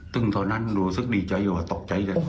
ตึงตอนนั้นรู้สึกดีใจหรือว่าตกใจกัน